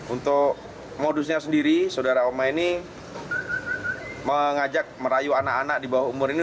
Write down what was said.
untuk modusnya sendiri saudara oma ini mengajak merayu anak anak di bawah umur ini